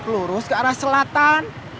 lurus ke arah selatan